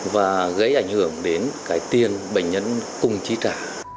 và gây ảnh hưởng đến cơ sở